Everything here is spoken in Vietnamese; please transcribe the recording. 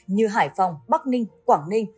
như hải phòng bắc ninh quảng ninh